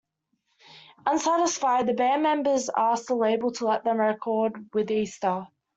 Unsatisfied, the band members asked the label to let them record with Easter.